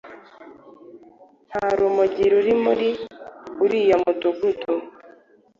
nta rumogi ruri muri uriya mudugudu,